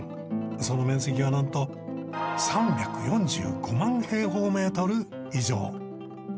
その面積はなんと３４５万平方メートル以上。